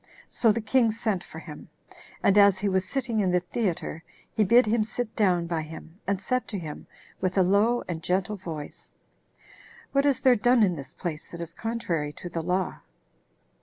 So the king sent for him; and as he was sitting in the theater, he bid him sit down by him, and said to him with a low and gentle voice, "What is there done in this place that is contrary to the law?"